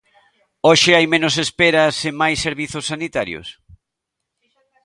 ¿Hoxe hai menos esperas e máis servizos sanitarios?